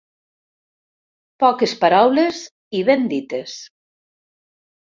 Poques paraules i ben dites.